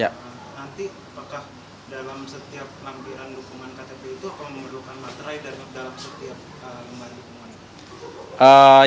dari dalam setiap lembar dukungan